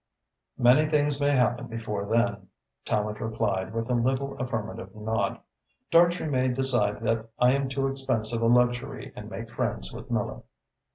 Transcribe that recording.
"Many things may happen before then," Tallente replied, with a little affirmative nod. "Dartrey may decide that I am too expensive a luxury and make friends with Miller."